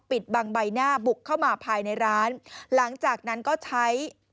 ปิดบังใบหน้าบุกเข้ามาภายในร้านหลังจากนั้นก็ใช้